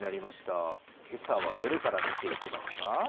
今朝はどれから見てきますか。